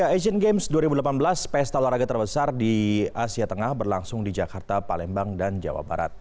asian games dua ribu delapan belas pesta olahraga terbesar di asia tengah berlangsung di jakarta palembang dan jawa barat